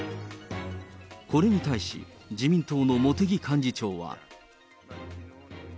これに対し、自民党の茂木幹事長は。